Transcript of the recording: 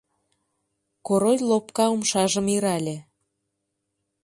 — Король лопка умшажым ирале.